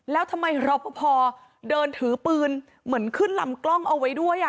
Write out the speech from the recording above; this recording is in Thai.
แล้วทำไมรอปภเดินถือปืนเหมือนขึ้นลำกล้องเอาไว้ด้วย